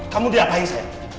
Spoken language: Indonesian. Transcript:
kamu diapain sayang